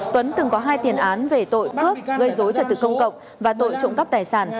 tuấn từng có hai tiền án về tội cướp gây dối trật tự công cộng và tội trộm cắp tài sản